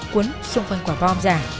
cuốn xung quanh quả bom giả